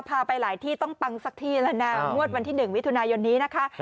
ไปหลายที่ต้องปังสักที่แล้วนะงวดวันที่๑มิถุนายนนี้นะคะ